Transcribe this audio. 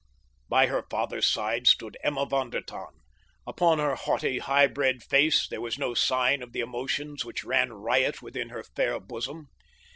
By her father's side stood Emma von der Tann. Upon her haughty, high bred face there was no sign of the emotions which ran riot within her fair bosom.